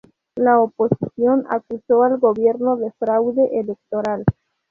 La oposición acusó al gobierno de fraude electoral.